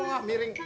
otaknya yang miring